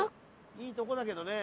いいとこだけどね。